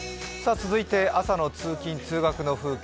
続いて朝の通勤・通学の風景